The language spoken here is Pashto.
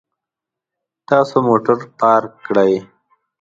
تاسو موټر پارک کړئ